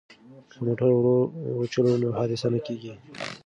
که موټر ورو وچلوو نو حادثه نه کیږي.